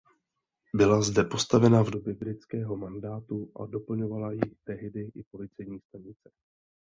Byla zde postavena v době britského mandátu a doplňovala ji tehdy i policejní stanice.